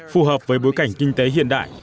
phù hợp với bối cảnh kinh tế hiện đại